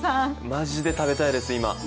マジで食べたいです、今。